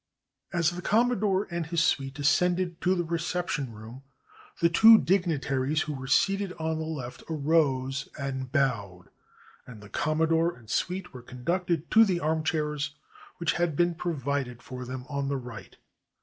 As the Commodore and his suite ascended to the reception room, the two dignitaries who were seated on the left arose and bowed, and the Commodore and suite were conducted to the armchairs which had been pro vided for them on the right.